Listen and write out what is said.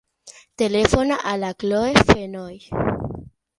Telefona a la Chloe Fenoy.